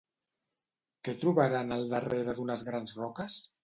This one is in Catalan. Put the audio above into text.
Què trobaren al darrere d'unes grans roques?